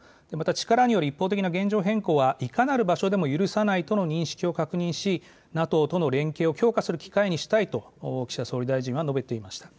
力による一方的な現状変更はいかなる場所でも許さないという認識を確認し、ＮＡＴＯとの連携を強化する機会にしたいと岸田総理大臣は述べておりました。